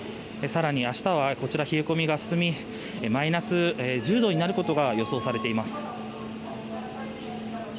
更に明日はこちら、冷え込みが進みマイナス１０度になることが予想されています。